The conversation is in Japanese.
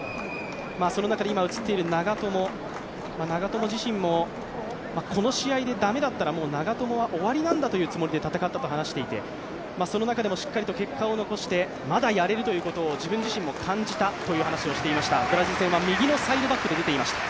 その中で今、映っている長友、長友自身もこの試合で駄目だったらもう長友は終わりなんだというつもりで戦ったと話していてその中でもしっかりと結果を残してまだやれるということを自分自身も感じたという話をしていました、ブラジル戦は右のサイドバックで出ていました。